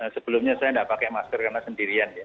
sebelumnya saya nggak pakai masker karena sendirian